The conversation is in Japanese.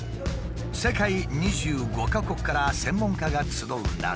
世界２５か国から専門家が集う中。